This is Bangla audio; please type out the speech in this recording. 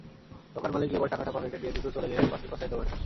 দোকান মালিক এবার টাকাটা পকেটে নিয়ে দ্রুত চলে গেলেন পাশের কসাইয়ের দোকানে।